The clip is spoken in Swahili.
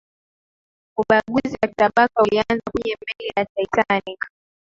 ubaguzi wa kitabaka ulianza kwenye meli ya titanic